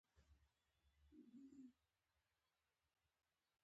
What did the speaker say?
ځان يې د انسانيت له درجې نه غورځولی.